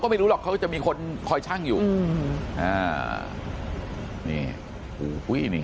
ก็ไม่รู้หรอกเขาจะมีคนคอยชั่งอยู่